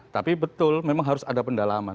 tapi betul memang harus ada pendalaman